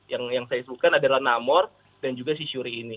yang saya sebutkan adalah namor dan juga shuri ini